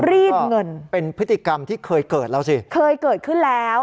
รีดเงินเป็นพฤติกรรมที่เคยเกิดแล้วสิเคยเกิดขึ้นแล้ว